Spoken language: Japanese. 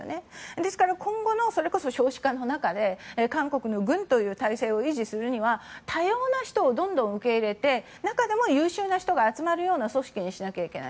ですから、今後のそれこそ少子化の中で韓国の軍という体制を維持するには、多様な人をどんどん受け入れて中にも優秀な人が集まるような組織にしないといけない。